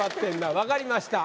分かりました。